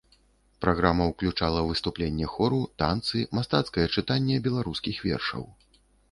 Праграма ўключала выступленне хору, танцы, мастацкае чытанне беларускіх вершаў.